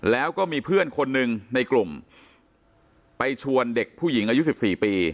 แล้วก็มีเพื่อนคนหนึ่งในกลุ่มไปชวนเด็กผู้หญิงอายุ๑๔ปี